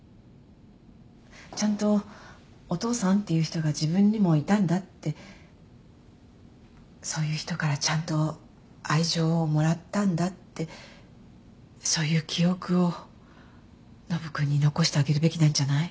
ちゃんとお父さんっていう人が自分にもいたんだってそういう人からちゃんと愛情をもらったんだってそういう記憶をノブ君に残してあげるべきなんじゃない？